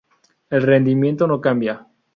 El rendimiento no cambia.